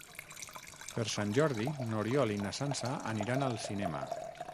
Per Sant Jordi n'Oriol i na Sança aniran al cinema.